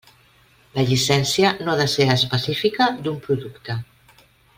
La llicència no ha de ser específica d'un producte.